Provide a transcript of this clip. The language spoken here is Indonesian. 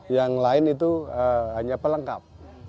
yang lain itu hanya pelengkap